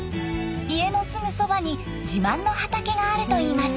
家のすぐそばに自慢の畑があるといいます。